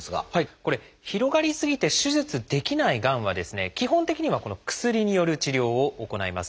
これ広がり過ぎて手術できないがんは基本的にはこの薬による治療を行います。